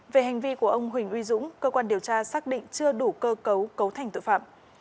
về hành vi của ông huỳnh uy dũng cơ quan điều tra xác định chưa đủ cơ cấu cấu thành tội phạm